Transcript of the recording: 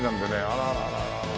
あらららら。